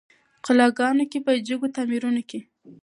قلاګانو کي په جګو تعمیرو کي